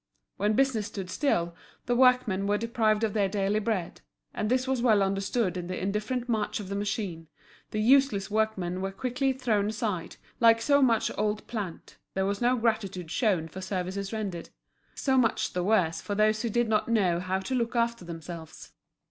When business stood still, the workmen were deprived of their daily bread; and this was well understood in the indifferent march of the machine, the useless workmen were quietly thrown aside, like so much old plant, there was no gratitude shown for services rendered. So much the worse for those who did not know how to look after themselves!